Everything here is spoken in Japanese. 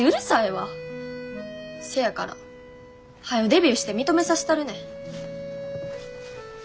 せやからはよデビューして認めさせたるねん。